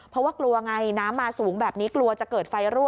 เพราะว่ากลัวไงน้ำมาสูงแบบนี้กลัวจะเกิดไฟรั่